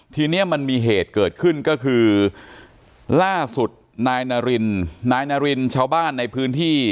ทีนี้มันมีเหตุเกิดขึ้นก็คือล่าสุดนายนารินนายนารินชาวบ้านในพื้นที่